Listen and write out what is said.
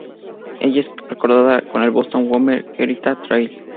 Ella es recordada en el Boston Women's Heritage Trail.